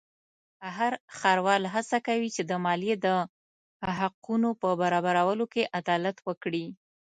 هر ښاروال هڅه کوي چې د مالیې د حقونو په برابرولو کې عدالت وکړي.